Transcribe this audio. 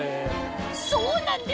そうなんです！